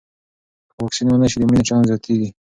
که واکسین ونه شي، د مړینې چانس زیاتېږي.